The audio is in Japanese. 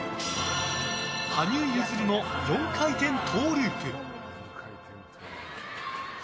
羽生結弦の４回転トウループ。